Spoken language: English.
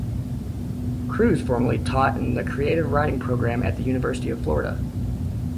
Crews formerly taught in the creative writing program at the University of Florida.